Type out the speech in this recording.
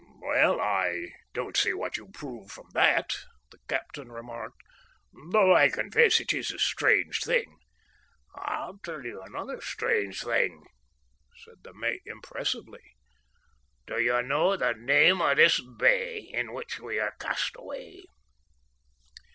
"Well, I don't see what you prove from that," the captain remarked, "though I confess it is a strange thing." "I'll tell you another strange thing," said the mate impressively. "Do you know the name of this bay in which we are cast away?"